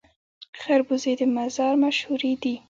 خربوزې د مزار مشهورې دي